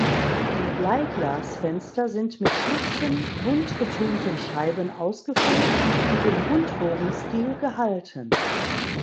Die Bleiglasfenster sind mit schlichten bunt getönten Scheiben ausgefüllt und im Rundbogenstil gehalten.